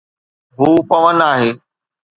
هو پون آهي